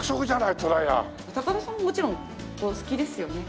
高田さんももちろんお好きですよね？